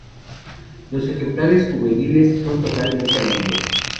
Los ejemplares juveniles son totalmente amarillos.